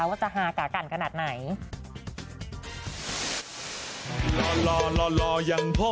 ว่าจะฮากากันขนาดไหน